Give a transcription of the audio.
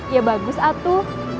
ya bagus atu